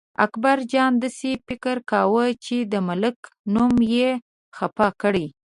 اکبرجان داسې فکر کاوه چې د ملک نوم یې خپه کړی.